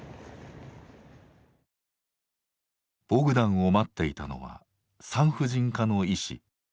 ボグダンを待っていたのは産婦人科の医師。